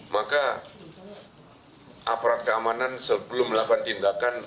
maka aparat keamanan sebelum melakukan tindakan